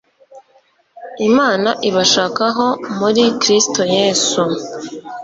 Imana ibashakaho muri Kristo Yesu